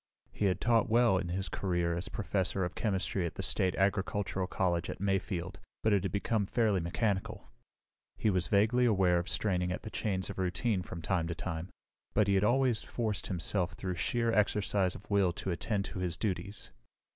He had taught well in his career as professor of chemistry at the State Agricultural College at Mayfield, but it had become fairly mechanical. He was vaguely aware of straining at the chains of routine from time to time, but he had always forced himself through sheer exercise of will to attend to his duties.